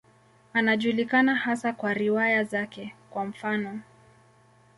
Anajulikana hasa kwa riwaya zake, kwa mfano.